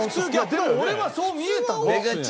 でも俺はそう見えたの！